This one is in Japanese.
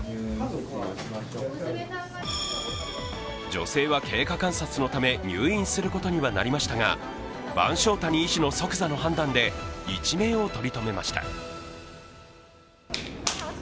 女性は経過観察のため、入院することにはなりましたが、番匠谷医師の即座の判断で一命を取りとめました。